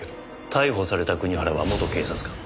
逮捕された国原は元警察官。